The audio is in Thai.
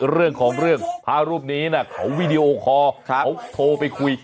เรื่องของเรื่องพระรูปนี้นะเขาวีดีโอคอร์เขาโทรไปคุย